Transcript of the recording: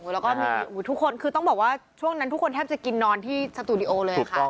แล้วก็มีทุกคนคือต้องบอกว่าช่วงนั้นทุกคนแทบจะกินนอนที่สตูดิโอเลยค่ะ